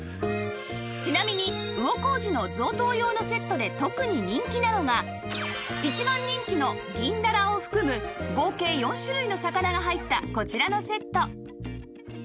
ちなみに魚小路の贈答用のセットで特に人気なのが一番人気の銀ダラを含む合計４種類の魚が入ったこちらのセット